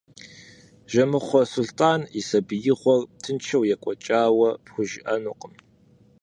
Жэмыхъуэ Сулътӏан и сабиигъуэр тыншу екӏуэкӏауэ пхужыӏэнукъым.